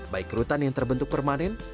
baik rutan yang terbentuk permanen